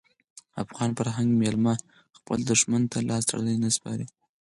افغان فرهنګ میلمه خپل دښمن ته لاس تړلی نه سپاري.